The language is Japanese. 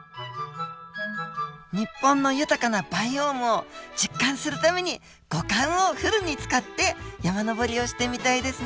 日本の豊かなバイオームを実感するために五感をフルに使って山登りをしてみたいですね。